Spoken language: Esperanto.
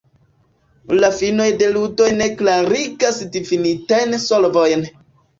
La finoj de ludoj ne klarigas difinitajn solvojn.